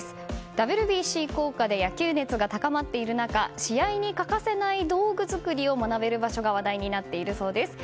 ＷＢＣ効果で野球熱が高まっている中試合に欠かせない道具作りを学べる場所が話題になっているそうです。